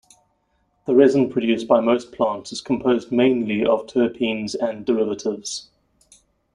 The resin produced by most plants is composed mainly of terpenes and derivatives.